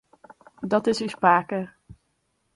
Dat is ús pake.